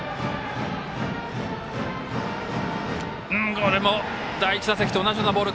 これも第１打席と同じようなボール。